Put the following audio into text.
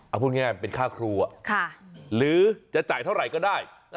เอาพูดง่ายเป็นค่าครูหรือจะจ่ายเท่าไหร่ก็ได้